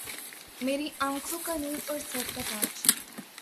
میری آنکهون کا نور أور سر کا تاج